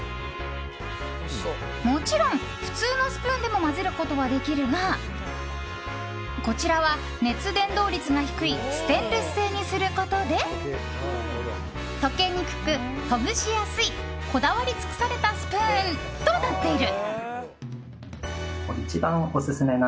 もちろん、普通のスプーンでも混ぜることはできるがこちらは熱伝導率が低いステンレス製にすることで溶けにくく、ほぐしやすいこだわり尽くされたスプーンとなっている。